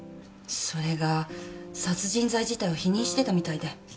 それが殺人罪自体を否認してたみたいで。